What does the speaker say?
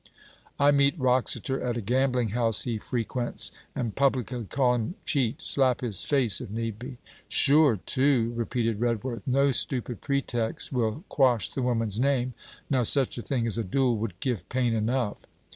'I meet Wroxeter at a gambling house he frequents, and publicly call him cheat slap his face, if need be.' 'Sure to!' repeated Redworth. 'No stupid pretext will quash the woman's name. Now, such a thing as a duel would give pain enough.'